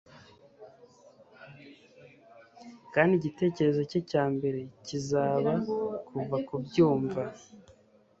kandi igitereko cye cya mbere kizaba kuva kubyumva